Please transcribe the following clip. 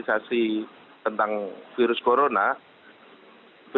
tadi pagi ketika kasubag humas eko ariyati ada acara sosial